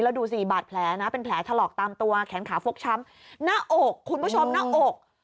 แล้วดูสิบาดแผลนะเป็นแผลถลอกตามตัวแขนขาฟกช้ำหน้าอกคุณผู้ชมหน้าอก